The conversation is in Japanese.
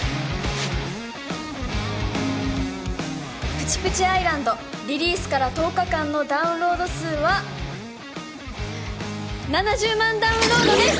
「プチプチアイランド」リリースから１０日間のダウンロード数は７０万ダウンロードです！